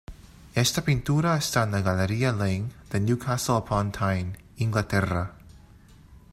Esta pintura está en la Galería Laing, de Newcastle upon Tyne, Inglaterra.